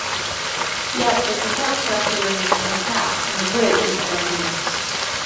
Yet, the support structure remains intact and the bridge is still in use.